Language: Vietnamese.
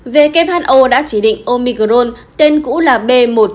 who đã chỉ định omicron tên cũ là b một một năm trăm hai mươi bốn